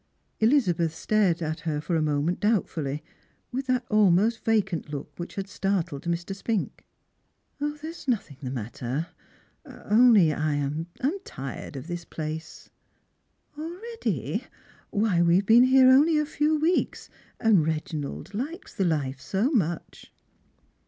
Elizabeth stared at her for a moment doubtfully, with that almost vacant look which had startled Mr. Spink. " There is nothing the matter — only — only that I am tired of this i)lace !" "Already? Why, we've been here only a few weeks, and Reginald likes the life so much."